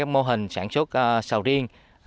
mô hình sản xuất sầu riêng